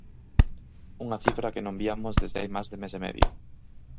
Unha cifra que non viamos desde hai máis de mes e medio.